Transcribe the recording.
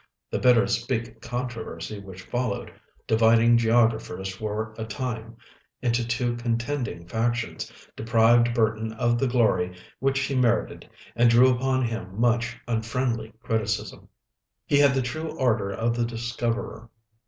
The bitter Speke controversy which followed, dividing geographers for a time into two contending factions, deprived Burton of the glory which he merited and drew upon him much unfriendly criticism. He had the true ardor of the discoverer.